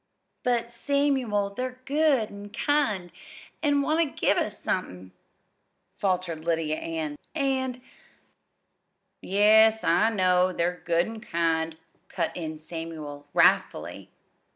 "But, Samuel, they're good an' kind, an' want ter give us somethin'," faltered Lydia Ann; "and " "Yes, I know they're good an' kind," cut in Samuel wrathfully.